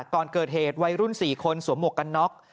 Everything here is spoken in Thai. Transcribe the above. ก่อนเกิดเหตุวัยรุ่น๔คนสวมหมวกกันน็อก